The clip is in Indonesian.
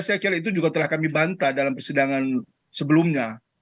saya kira itu juga telah kami bantah dalam persidangan sebelumnya